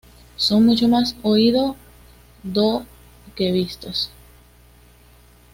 Son mucho más oídos do que vistos.